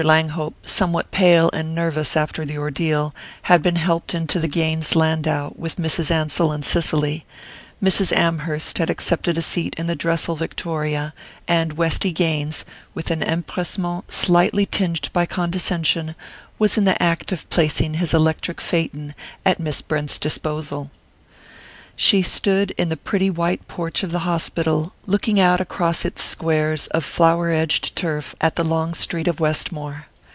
Langhope, somewhat pale and nervous after the ordeal, had been helped into the Gaines landau with Mrs. Ansell and Cicely; Mrs. Amherst had accepted a seat in the Dressel victoria; and Westy Gaines, with an empressement slightly tinged by condescension, was in the act of placing his electric phaeton at Miss Brent's disposal. She stood in the pretty white porch of the hospital, looking out across its squares of flower edged turf at the long street of Westmore.